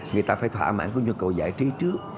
người ta phải thỏa mãn với nhu cầu giải trí trước